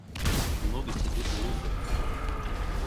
— Тут много седых и лысых.